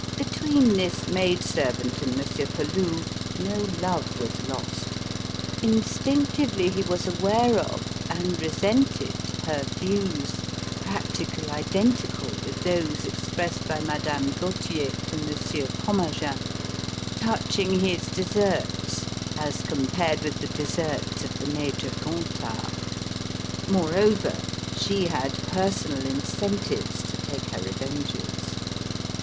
Between this maid servant and Monsieur Peloux no love was lost. Instinctively he was aware of, and resented, her views practically identical with those expressed by Madame Gauthier to Monsieur Fromagin touching his deserts as compared with the deserts of the Major Gontard. Moreover, she had personal incentives to take her revenges.